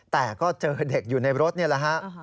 แต่ก็เจอเด็กอยู่ในรถนี่แหละฮะ